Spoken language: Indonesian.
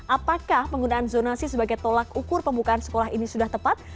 apakah penggunaan zonasi sebagai tolak ukur pembukaan sekolah ini sudah tepat